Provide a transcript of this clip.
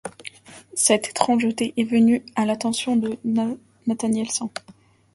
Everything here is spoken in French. Cette étrangeté est venue à l'attention de Nathaniel St.